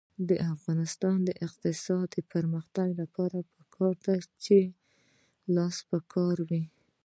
د افغانستان د اقتصادي پرمختګ لپاره پکار ده چې لاسي کار وي.